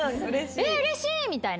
えうれしい！みたいな。